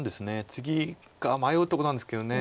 ツギか迷うとこなんですけど。